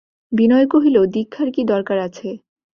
বিনয় কহিল, দীক্ষার কি দরকার আছে?